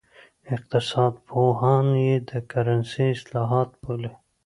اقتصاد پوهان یې د کرنسۍ اصلاحات بولي.